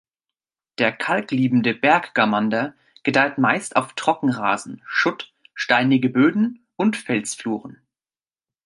Der kalkliebende Berg-Gamander gedeiht meist auf Trockenrasen, Schutt, steinige Böden und Felsfluren.